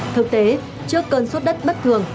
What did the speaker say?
thực tế trước cơn suất đất bất thường